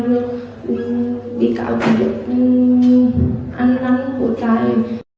vị cáo linh thừa ăn ăn của tài